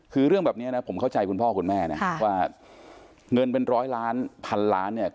คือเรื่องแบบนี้นะผมเข้าใจคุณพ่อคุณแม่นะว่าเงินเป็นร้อยล้านพันล้านเนี่ย